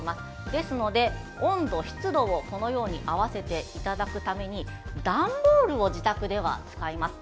ですので、温度、湿度を合わせていただくために段ボールを自宅では使います。